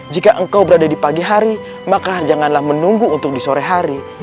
jika engkau berada di pagi hari maka janganlah menunggu untuk di sore hari